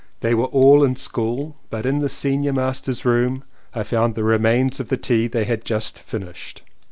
They were all in school but in the senior master's room I found the remains of the tea they had just finished.